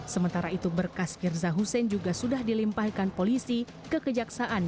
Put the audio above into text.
sementara itu berkas firza hussein juga sudah dilimpahkan polisi ke kejaksaan